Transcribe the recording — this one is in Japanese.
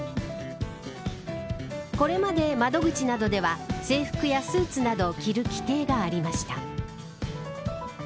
これまで窓口などでは制服やスーツなどを着る規定がありました。